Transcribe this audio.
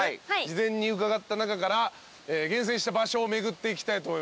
事前に伺った中から厳選した場所を巡っていきたいと思いますんで。